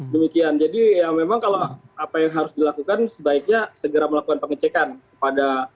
demikian jadi ya memang kalau apa yang harus dilakukan sebaiknya segera melakukan pengecekan kepada